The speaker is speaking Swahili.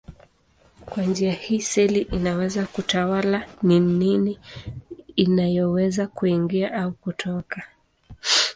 Kwa njia hii seli inaweza kutawala ni nini inayoweza kuingia au kutoka.